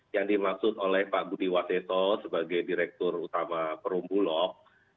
yang dimaksud oleh pak budi wadeto sebagai direktur utama perum bulok